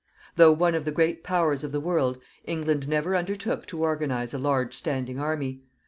Though one of the great Powers of the world, England never undertook to organize a large standing army.